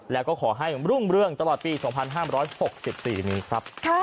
แล้วก็ขอให้รุ่งเรื่องตลอดปี๒๕๖๔นี้ครับ